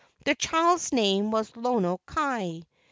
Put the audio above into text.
The child's name was Lono kai.